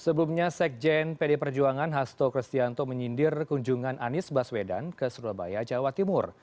sebelumnya sekjen pd perjuangan hasto kristianto menyindir kunjungan anies baswedan ke surabaya jawa timur